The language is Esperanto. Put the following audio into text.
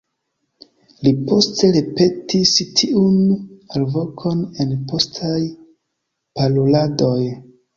Li poste ripetis tiun alvokon en postaj paroladoj.